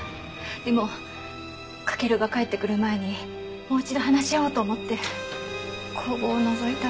でも翔が帰ってくる前にもう一度話し合おうと思って工房をのぞいたら。